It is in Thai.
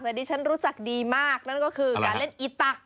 แต่ดิฉันรู้จักดีมากนั่นก็คือการเล่นอีตัก